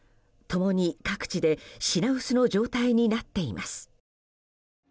共に各地で品薄の状態になっています。